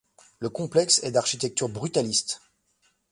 Le complexe est d'architecture brutaliste.